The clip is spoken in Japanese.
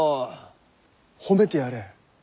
褒めてやれ。